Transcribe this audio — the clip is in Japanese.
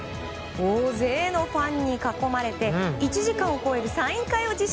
大勢のファンに囲まれて１時間を超えるサイン会を実施。